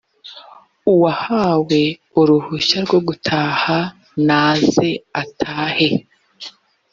uwahawe uruhushya rwo gutaha naze atahe